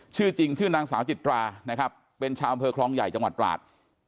ชื่อจริงชื่อนางสาวจิตรานะครับเป็นชาวอำเภอคลองใหญ่จังหวัดตราด